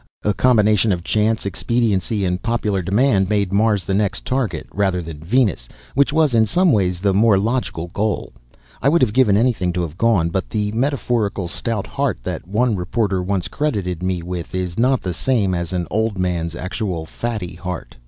A combination of chance, expediency and popular demand made Mars the next target, rather than Venus, which was, in some ways, the more logical goal. I would have given anything to have gone, but the metaphorical stout heart that one reporter once credited me with is not the same as an old man's actual fatty heart.